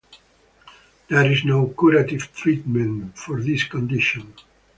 There is no curative treatment for this condition.